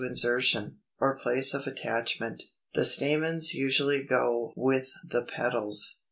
Insertion, or place of attachment. The stamens usually go with the petals.